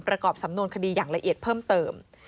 ประกอบสำนวนคดีอย่างละเอียดเพิ่มเติม